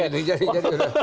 jadi jadi jadi